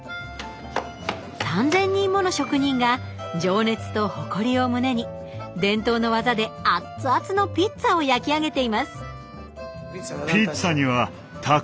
３，０００人もの職人が情熱と誇りを胸に伝統の技であっつあつのピッツァを焼き上げています